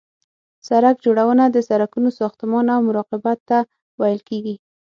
سرک جوړونه د سرکونو ساختمان او مراقبت ته ویل کیږي